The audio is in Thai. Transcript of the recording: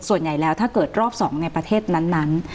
ส่วนใหญ่แล้วถ้าเกิดรอบ๒ในประเทศนั้น